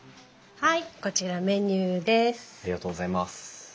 はい。